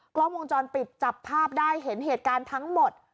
กล้องวงจรปิดจับภาพได้เห็นเหตุการณ์ทั้งหมด